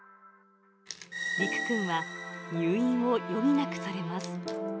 りくくんは入院を余儀なくされます。